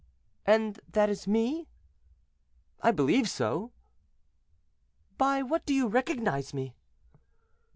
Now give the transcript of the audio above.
"And that is me?" "I believe so." "By what do you recognize me?"